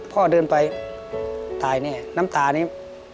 พ่อเดินไปตายแน่น้ำตานี้